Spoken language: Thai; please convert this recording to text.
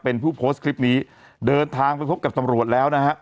เป็นผู้โพสต์คลิปนี้เดินทางไปพบกับตำรวจแล้วนะฮะ